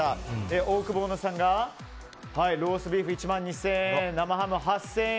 オオクボーノさんがローストビーフ１万２０００円生ハムは８０００円。